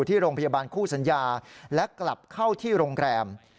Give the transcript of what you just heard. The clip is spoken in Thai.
ที่โรงพยาบาลคู่สัญญาและกลับเข้าที่โรงแรม